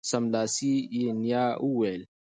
سملاسي یې نیا وویل